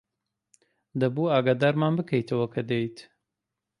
دەبوو ئاگادارمان بکەیتەوە کە دێیت.